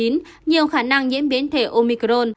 nhiều khả năng nhiễm biến thể omicron